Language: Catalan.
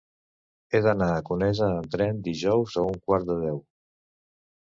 He d'anar a Conesa amb tren dijous a un quart de deu.